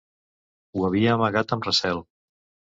Ho havia amagat amb recel.